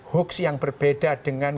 hoax yang berbeda dengan